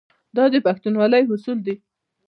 دا د پښتونولۍ اصول دي.